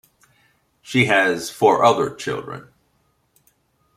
She has four other children.